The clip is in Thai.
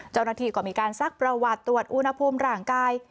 เจ้าหน้าที่ก็มีการซักประวัติตรวจอุณหภูมิร่างกาย